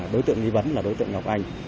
đối tượng nghi vấn là đối tượng ngọc anh